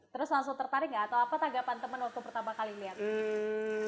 terus langsung tertarik gak atau apa tanggapan temen waktu pertama kali liat